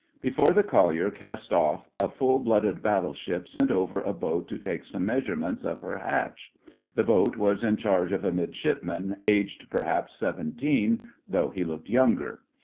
Before the collier cast off a full blooded battleship sent over a boat to take some measurements of her hatch. The boat was in charge of a Midshipman aged, perhaps, seventeen, though he looked younger.